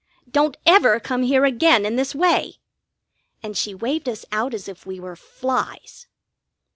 Don't ever come here again in this way!" And she waved us out as if we were flies.